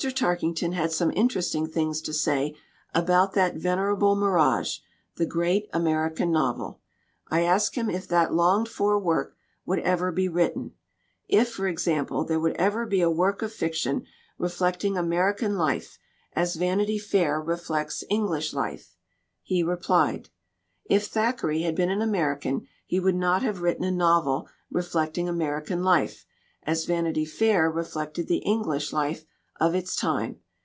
Tarkington had some interesting things to say about that venerable mirage, the Great American Novel. I asked him if that longed for work would ever be written; if, for example, there would ever be a work of fiction reflecting American life as Vanity Fair reflects English life. He replied: "If Thackeray had been an American he would not have written a novel reflecting American life as Vanity Fair reflected the English life of its time.